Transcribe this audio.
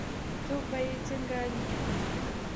څوک به یې څنګه لیکي ؟